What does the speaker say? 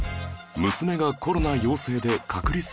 娘がコロナ陽性で隔離生活